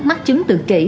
mắc chứng tự kỷ